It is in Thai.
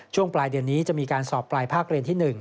ช่วงปลายเดือนนี้จะมีการสอบปลายภาคเรียนที่๑